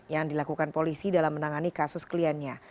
yang dilakukan polisi dalam menangani kasus kliennya